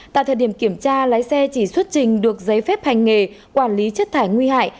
tại thời điểm kiểm tra lái xe chỉ xuất trình được giấy phép hành nghề quản lý chất thải nguy hại